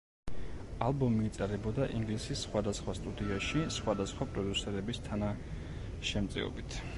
ალბომი იწერებოდა ინგლისის სხვადასხვა სტუდიაში, სხვადასხვა პროდიუსერის თანაშემწეობით.